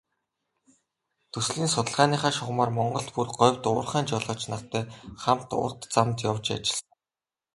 Төслийн судалгааныхаа шугамаар Монголд, бүр говьд уурхайн жолооч нартай хамт урт замд явж ажилласан.